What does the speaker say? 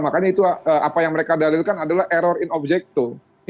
makanya itu apa yang mereka dalilkan adalah error in objecto